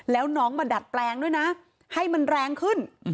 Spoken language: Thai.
แล้วน้องมาดัดแปลงด้วยนะให้มันแรงขึ้น